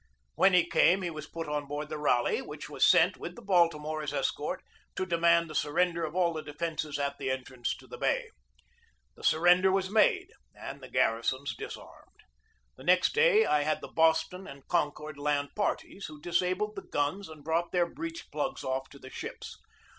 When he came he was put on board the Raleigh, which was sent, with the Baltimore as escort, to demand the surrender of all the defences at the entrance to the bay. The surrender was made and the garrisons disarmed. The next day I had the Boston and Concord land parties, who disabled the guns and brought their breech plugs off to the ships.